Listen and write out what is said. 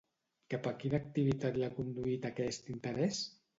Cap a quina activitat l'ha conduït aquest interès?